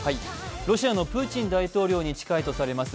ロシアのプーチン大統領に近いとされます